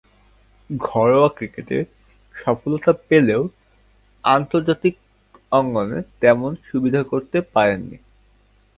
ঘরোয়া ক্রিকেটে সফলতা পেলেও আন্তর্জাতিক অঙ্গনে তেমন সুবিধা করতে পারেননি।